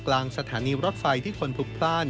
กลางสถานีรถไฟที่คนพลุกพลาด